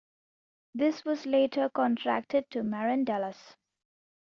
This was later contracted to Marandellas.